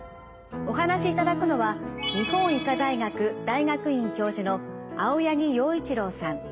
お話しいただくのは日本医科大学大学院教授の青柳陽一郎さん。